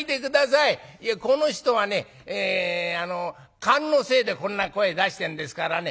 いやこの人がね癇のせいでこんな声出してんですからね